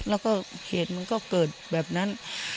แล้วก็เหตุมันก็เกิดแบบนั้น